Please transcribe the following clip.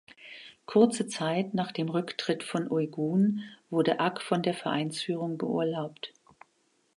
Kurze Zeit nach dem Rücktritt von Uygun wurde Ak von der Vereinsführung beurlaubt.